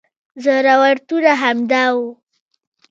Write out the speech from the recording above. ضرورتونه همدا وو.